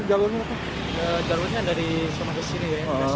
jalurnya dari sini